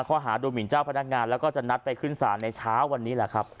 ข้อหาดูหมินเจ้าพนักงานแล้วก็จะนัดไปขึ้นศาลในเช้าวันนี้แหละครับ